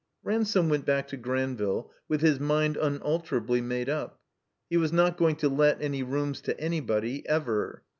Ransome went back to Granville with his mind tmalterably made up. He was not going to let any rooms to anybody, ever.